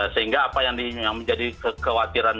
sehingga apa yang menjadi kekhawatiran